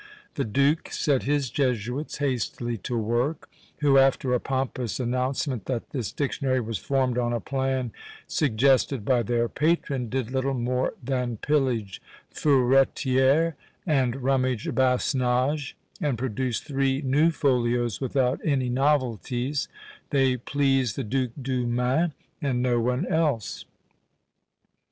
The duke set his Jesuits hastily to work; who, after a pompous announcement that this dictionary was formed on a plan suggested by their patron, did little more than pillage Furetière, and rummage Basnage, and produced three new folios without any novelties; they pleased the Duc du Maine, and no one else.